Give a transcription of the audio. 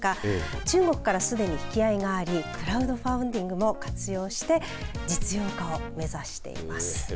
中国から、すでに引き合いがありクラウドファンディングも活用して実用化を目指しています。